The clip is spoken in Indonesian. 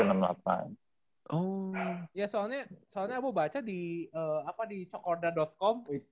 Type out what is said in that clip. ya soalnya soalnya abu baca di apa di cokorda com